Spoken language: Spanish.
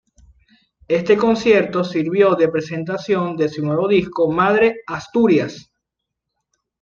Este concierto sirvió de presentación de su nuevo disco "Madre Asturias".